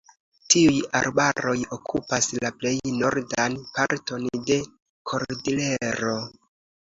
Tiuj arbaroj okupas la plej nordan parton de Kordilero.